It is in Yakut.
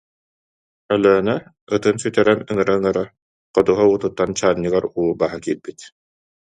Өлөөнө ытын сүтэрэн ыҥыра-ыҥыра ходуһа уутуттан чаанньыгар уу баһа киирбит